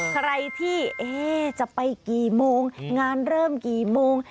ใครที่จะไปกี่โมงงานเริ่มกี่โมง